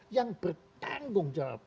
yang bertanggung jawab